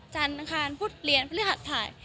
จานอาคารพุธเรียนบริษัทถ่าย